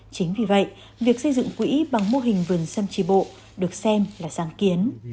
chính vì vậy việc xây dựng quỹ bằng mô hình vườn xâm tri bộ được xem là sáng kiến